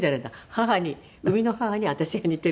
母に生みの母に私が似ているんですね。